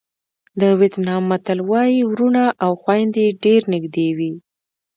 د وېتنام متل وایي وروڼه او خویندې ډېر نږدې دي.